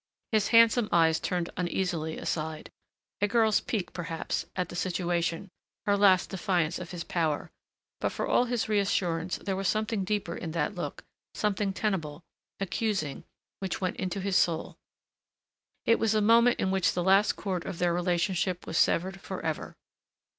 His handsome eyes turned uneasily aside. A girl's pique perhaps, at the situation, her last defiance of his power, but for all his reassurance there was something deeper in that look, something tenable, accusing, which went into his soul. It was a moment in which the last cord of their relationship was severed forever.